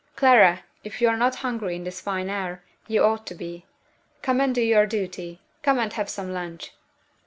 Clara, if you are not hungry in this fine air, you ought to be. Come and do your duty; come and have some lunch!"